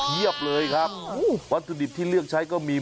เพียบเลยครับวัตถุดิบที่เลือกใช้ก็มี